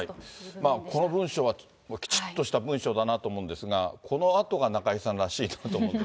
この文章はきちっとした文章だと思うんですが、このあとが中居さんらしいなと思うんですが。